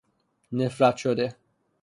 نفرت شده